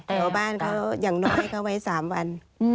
ชาวบ้านเขาอย่างน้อยเขาไว้๓วัน